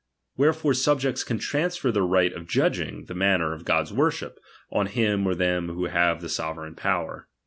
Wlierefore subjects can transfer their right of judging the manner of God's worship, on him or them who have the sovereign power.